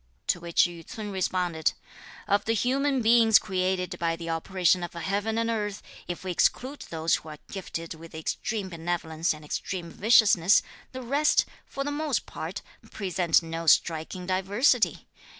To which Yü ts'un responded: "Of the human beings created by the operation of heaven and earth, if we exclude those who are gifted with extreme benevolence and extreme viciousness, the rest, for the most part, present no striking diversity.